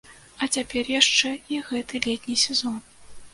А цяпер яшчэ і гэты летні сезон!